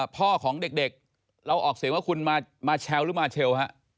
พ่อของเด็กเราออกเสียงว่าคุณมาเชลหรือมาเชลฮะ